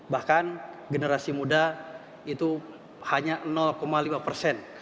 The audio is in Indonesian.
bahkan generasi muda itu hanya lima persen